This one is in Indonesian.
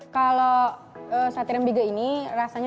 kalau sate rembige ini rasanya tuh enak